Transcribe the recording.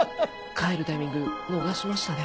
帰るタイミング逃しましたね。